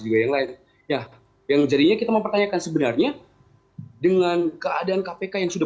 juga yang lain ya yang jadinya kita mempertanyakan sebenarnya dengan keadaan kpk yang sudah